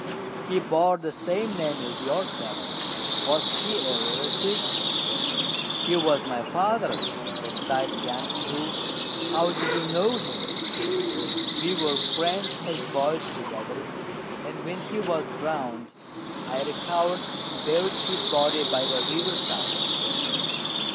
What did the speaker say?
He bore the same name as yourself; was he a relative?" "He was my father," replied Liang ssŭ; "how did you know him?" "We were friends as boys together; and when he was drowned, I recovered and buried his body by the river side."